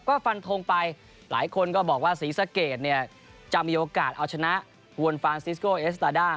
ก็ฟันทงไปหลายคนก็บอกว่าศรีสะเกดเนี่ยจะมีโอกาสเอาชนะฮวนฟานซิสโกเอสตาด้า